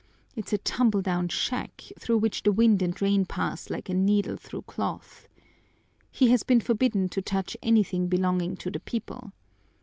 It's a tumbledown shack, through which the wind and rain pass like a needle through cloth. He has been forbidden to touch anything belonging to the people.